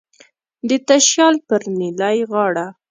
د تشیال پر نیلی غاړه